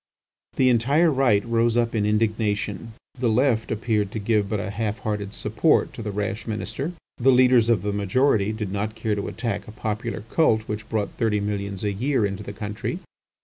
The entire Right rose up in indignation; the Left appeared to give but a half hearted support to the rash Minister. The leaders of the majority did not care to attack a popular cult which brought thirty millions a year into the country.